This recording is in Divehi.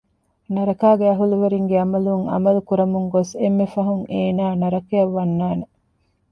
ނަރަކައިގެ އަހުލުވެރިންގެ ޢަމަލުން ޢަމަލު ކުރަމުން ގޮސް އެންމެ ފަހުން އޭނާ ނަރަކައަށް ވަންނާނެ